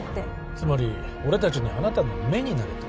つまり俺たちにあなたの目になれと？